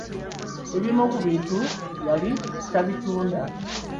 Ebimu ku bintu yali tabitunda.